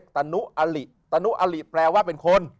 ตนุอลิแปลว่าเป็นคน